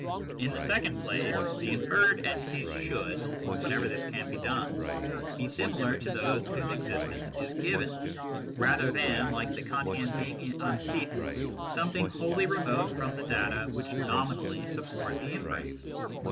In the second place the inferred entities should, whenever this can be done, be similar to those whose existence is given, rather than, like the Kantian Ding an sich, something wholly remote from the data which nominally support the inference.